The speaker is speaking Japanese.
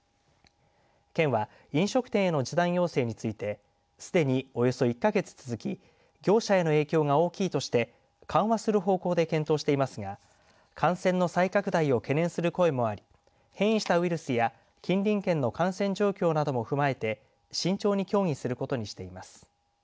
県は飲食店への時短要請についてすでに、およそ１か月続き業者への影響が大きいとして緩和する方向で検討していますが感染の再拡大を懸念する声もあり変異したウイルスや近隣県の感染状況なども踏まえて慎重に協議することにしています。